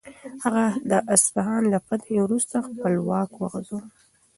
هغه د اصفهان له فتحې وروسته خپل واک وغځاوه.